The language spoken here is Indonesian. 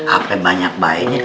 apem banyak baiknya